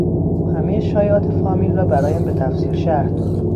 او همهی شایعات فامیل را برایم به تفصیل شرح داد.